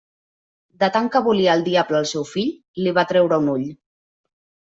De tant que volia el diable al seu fill, li va treure un ull.